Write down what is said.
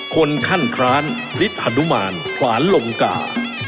ขั้นคร้านฤทธนุมานขวานลงกา